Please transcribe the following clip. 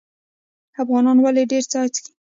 افغانان ولې ډیر چای څښي؟